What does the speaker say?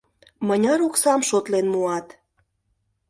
— Мыняр оксам, шотлен муат?